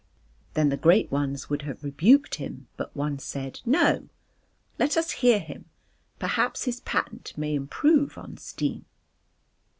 Then the great ones would have rebuked him but one said: "No, let us hear him, perhaps his patent may improve on steam."